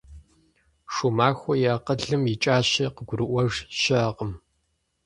Шумахуэ и акъылым икӀащи, къыгурыӀуэж щыӀэкъым.